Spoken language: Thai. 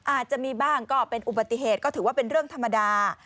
อาจจะมีบ้างก็เป็นอุบัติเหตุก็ถือว่าเป็นเรื่องธรรมดา